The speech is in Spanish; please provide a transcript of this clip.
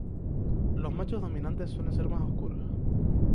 Los machos dominantes suelen ser más oscuros.